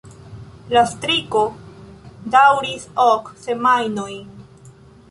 La striko daŭris ok semajnojn.